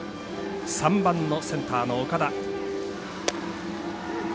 ３番のセンター岡田。